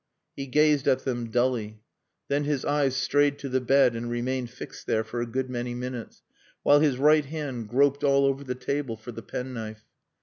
He gazed at them dully. Then his eyes strayed to the bed and remained fixed there for a good many minutes, while his right hand groped all over the table for the penknife.